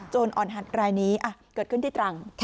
อ่อนหัดรายนี้เกิดขึ้นที่ตรัง